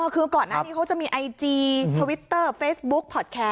ก่อนหน้านี้เขาจะมีไอจีทวิตเตอร์เฟสบุ๊คพอดแคสต์